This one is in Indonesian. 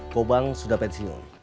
kobang sudah pensiun